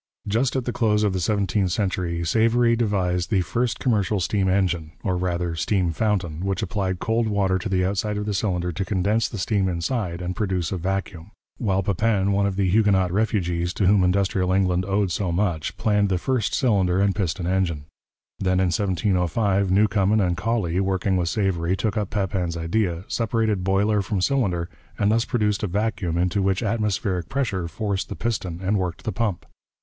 Just at the close of the seventeenth century Savery devised the first commercial steam engine, or rather steam fountain, which applied cold water to the outside of the cylinder to condense the steam inside and produce a vacuum; while Papin, one of the Huguenot refugees to whom industrial England owed so much, planned the first cylinder and piston engine. Then in 1705 Newcomen and Cawley, working with Savery, took up Papin's idea, separated boiler from cylinder, and thus produced a vacuum into which atmospheric pressure forced the piston and worked the pump.